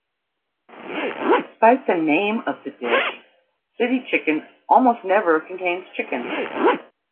Despite the name of the dish, city chicken almost never contains chicken.